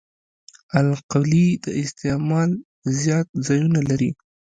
القلي د استعمال زیات ځایونه لري.